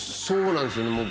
そうなんですよね。